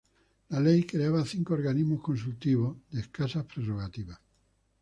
La ley creaba cinco organismos consultivos, de escasas prerrogativas.